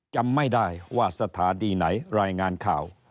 จำไม่ได้ว่าสถานีไหนรายงานข่าว